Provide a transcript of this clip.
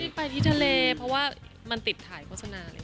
ไปที่ทะเลเพราะว่ามันติดถ่ายโฆษณาเลย